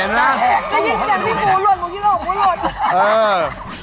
ยิงจากพี่ภูร่วนหมู่ฮีโรปหมู่ฮีโรป